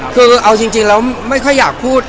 คือเอาจริงแล้วไม่ค่อยอยากพูด